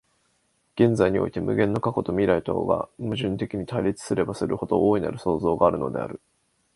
現在において無限の過去と未来とが矛盾的に対立すればするほど、大なる創造があるのである。